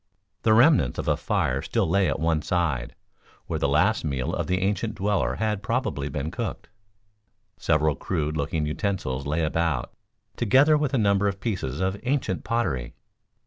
The remnants of a fire still lay at one side, where the last meal of the ancient dweller had probably been cooked. Several crude looking utensils lay about, together with a number of pieces of ancient pottery.